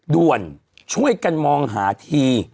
ด่วนช่วยกันมองหาที